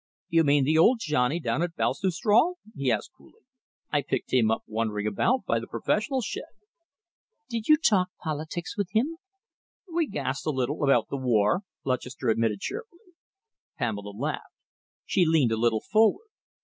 "You mean the old Johnny down at Baltusrol?" he asked coolly. "I picked him up wandering about by the professionals' shed." "Did you talk politics with him?" "We gassed a bit about the war," Lutchester admitted cheerfully. Pamela laughed. She leaned a little forward.